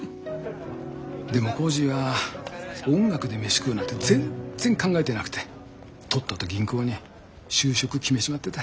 でもコージーは音楽で飯食うなんて全然考えてなくてとっとと銀行に就職決めちまってた。